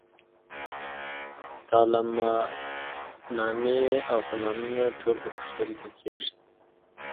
تعلماتنامې او فرمانونه ټول په پښتو لیکل کېدل.